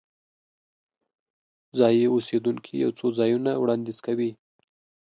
ځایي اوسیدونکي یو څو ځایونه وړاندیز کوي.